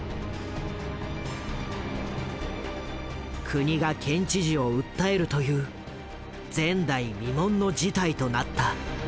国が県知事を訴えるという前代未聞の事態となった。